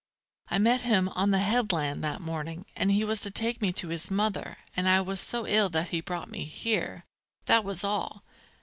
I met him, on the headland, that morning, and he was to take me to his mother, and I was so ill that he brought me here. That was all."